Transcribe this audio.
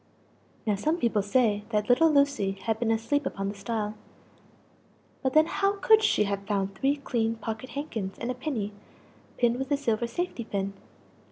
(Now some people say that little Lucie had been asleep upon the stile but then how could she have found three clean pocket handkins and a pinny, pinned with a silver safety pin?